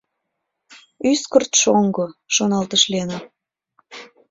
— Ӱскырт шоҥго, — шоналтыш Лена.